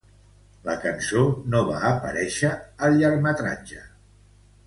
La cançó no va aparéixer al llargmetratge.